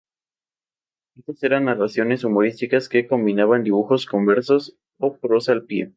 Estas eran narraciones humorísticas que combinaban dibujos con versos o prosa al pie.